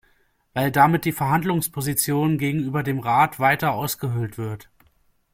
Weil damit die Verhandlungsposition gegenüber dem Rat weiter ausgehöhlt wird.